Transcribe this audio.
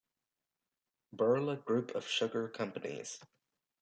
Birla Group of Sugar Companies.